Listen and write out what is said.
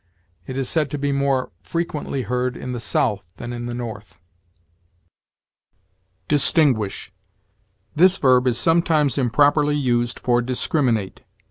It is said to be more frequently heard in the South than in the North. DISTINGUISH. This verb is sometimes improperly used for discriminate.